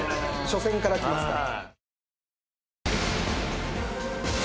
初戦からきますから。